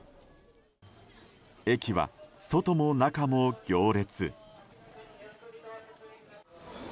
駅は外も中も行列。